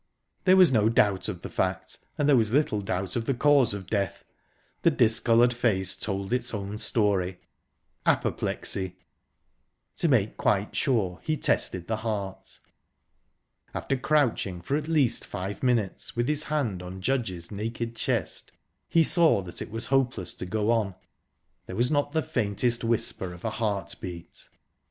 There was no doubt of the fact, and there was little doubt of the cause of death. The discoloured face told its own story apoplexy!... To make quite sure, he tested the heart. After crouching for at least five minutes, with his hand on Judge's naked chest, he saw that it was hopeless to go on there was not the faintest whisper of a heartbeat.